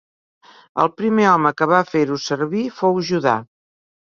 El primer home que va fer-ho servir fou Judà.